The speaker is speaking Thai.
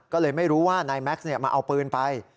ก็เลยไม่รู้ว่านายแม็กซ์มาเอาปืนไป